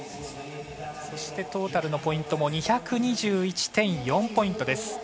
トータルのポイントも２２１．４ポイントです。